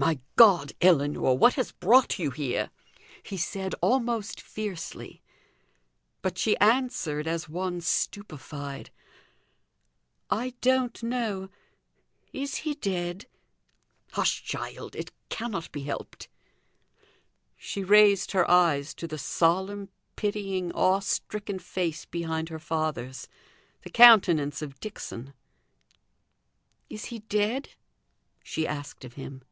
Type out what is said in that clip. "My God, Ellinor! what has brought you here?" he said, almost fiercely. But she answered as one stupefied, "I don't know. Is he dead?" "Hush, hush, child; it cannot be helped." She raised her eyes to the solemn, pitying, awe stricken face behind her father's the countenance of Dixon. "Is he dead?" she asked of him.